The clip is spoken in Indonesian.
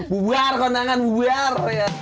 bu buar kawan kawan buar